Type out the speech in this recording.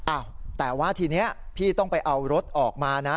อ้าวแต่ว่าทีนี้พี่ต้องไปเอารถออกมานะ